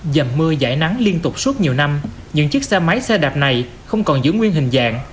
dầm mưa giải nắng liên tục suốt nhiều năm những chiếc xe máy xe đạp này không còn giữ nguyên hình dạng